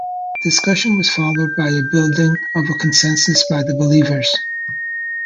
Discussion was followed by a building of a consensus by the "believers".